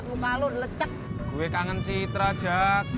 tati seneng aja